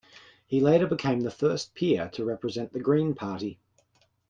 He later became the first peer to represent the Green Party.